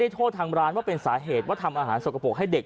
โทษทางร้านว่าเป็นสาเหตุว่าทำอาหารสกปรกให้เด็ก